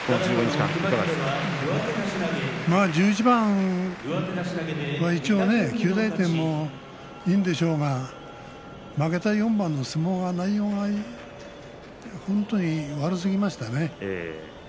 １１番は及第点でいいんでしょうが負けた４番の相撲の内容が悪すぎましたね。